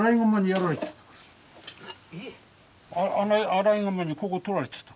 アライグマにここ取られちゃった。